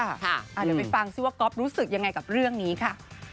เดี๋ยวไปฟังซิว่าก๊อฟรู้สึกยังไงกับเรื่องนี้ค่ะ